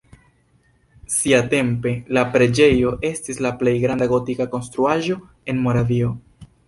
Siatempe la preĝejo estis la plej granda gotika konstruaĵo en Moravio.